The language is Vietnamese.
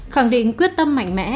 khẳng định quyết tâm mạnh mẽ